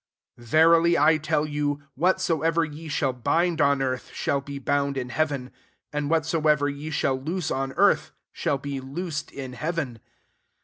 18 Verily I tell you. Whatsoever ye shall bind on earth, shall be bound in heaven: and whatsoever ye shall loose on earth, shall be loosed in heaven.